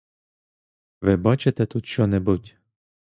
Ви бачите тут що-небудь?